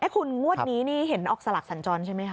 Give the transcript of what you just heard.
คุณงวดนี้นี่เห็นออกสลักสัญจรใช่ไหมค